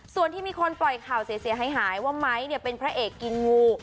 ส่วนที่มีคนปล่อยข่าวเสียหายว่าไม้เป็นพระเอกกินงู